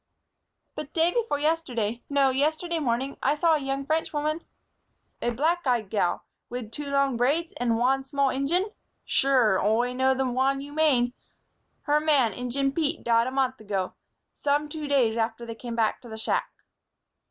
"But day before yesterday no, yesterday morning I saw a young Frenchwoman " "A black eyed gal wid two long braids and wan small Injin? Sure, Oi know the wan you mane. Her man, Injin Pete, died a month ago, some two days after they come to the shack."